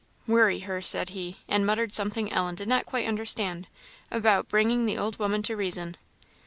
"Worry her!" said he; and he muttered something Ellen did not quite understand, about "bringing the old woman to reason."